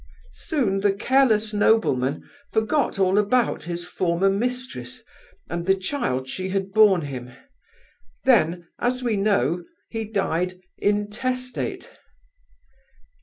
Soon the careless nobleman forgot all about his former mistress and the child she had borne him; then, as we know, he died intestate.